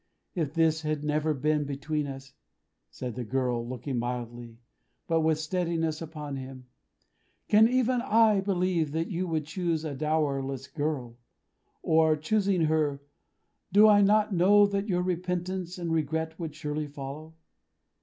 If this had never been between us," said the girl, looking mildly, but with steadiness, upon him; "can even I believe that you would choose a dowerless girl: or, choosing her, do I not know that your repentance and regret would surely follow?